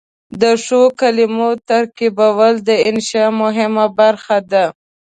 د ښو کلمو ترتیبول د انشأ مهمه برخه ده.